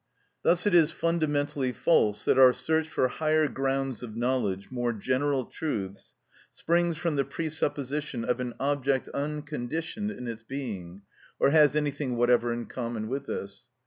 Thus it is fundamentally false that our search for higher grounds of knowledge, more general truths, springs from the presupposition of an object unconditioned in its being, or has anything whatever in common with this.